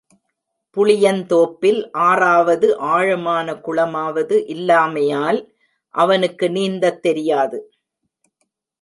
புளியந்தோப்பில் ஆறாவது ஆழமான குளமாவது இல்லாமையால் அவனுக்கு நீந்தத் தெரியாது.